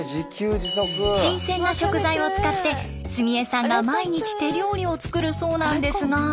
新鮮な食材を使って澄江さんが毎日手料理を作るそうなんですが。